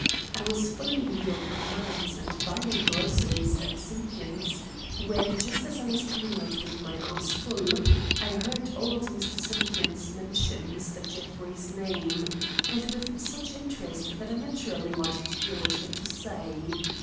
I was following your commands and buying groceries at Simpkins', when just as I was coming out with my arms full, I heard old Mr. Simpkins mention Mr. Jeffrey's name and with such interest that I naturally wanted to hear what he had to say.